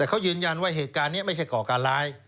แต่เขายืนยันว่าเหตุการณ์นี้ไม่ใช่ก่อการร้าย